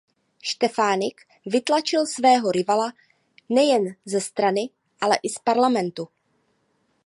Štefánik vytlačil svého rivala nejen ze strany ale i z parlamentu.